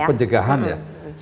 ya pencegahan ya